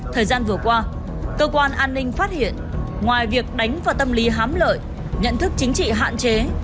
thời gian vừa qua cơ quan an ninh phát hiện ngoài việc đánh vào tâm lý hám lợi nhận thức chính trị hạn chế